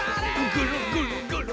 ぐるぐるぐる。